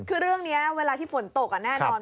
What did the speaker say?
คือเรื่องนี้เวลาที่ฝนตกแน่นอน